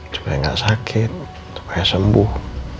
supaya nggak sakit supaya sembuh